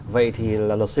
vậy thì là luật sư